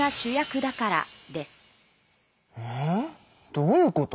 どういうこと？